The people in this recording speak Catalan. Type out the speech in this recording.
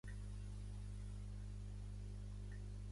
Això no fa pudor, merci, ja en tinc jo un.